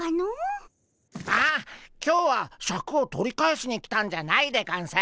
ああ今日はシャクを取り返しに来たんじゃないでゴンス。